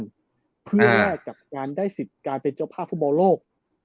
เพื่อแลกกับการได้สิทธิ์การเป็นเจ้าภาพฟุตบอลโลก